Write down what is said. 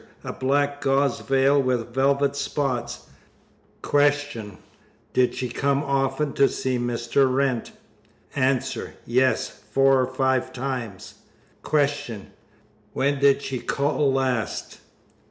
A black gauze veil with velvet spots. Q. Did she come often to see Mr. Wrent? A. Yes. Four or five times. Q. When did she call last?